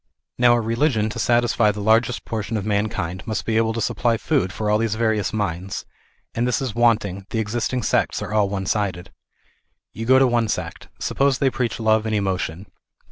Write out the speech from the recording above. Now a religion to satisfy the largest portion of man kind, must be able to supply food for all these various minds, and this is wanting, the existing sects are all one sided. You go to one sect. Suppose they preach love and emotion.